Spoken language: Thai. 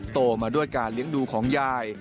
โตมาด้วยการเลี้ยงดูของยาย